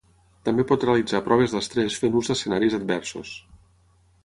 També pot realitzar proves d'estrès fent ús d'escenaris adversos.